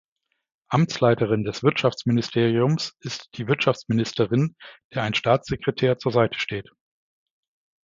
Amtsleiterin des Wirtschaftsministeriums ist die Wirtschaftsministerin, der ein Staatssekretär zur Seite steht.